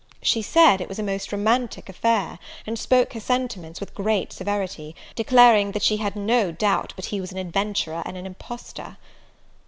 She said it was a most romantic affair, and spoke her sentiments with great severity; declaring that she had no doubt but he was an adventurer and an impostor.